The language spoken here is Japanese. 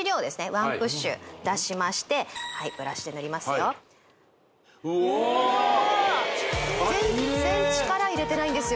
１プッシュ出しましてはいブラシで塗りますようわあっキレイ全然力入れてないんですよ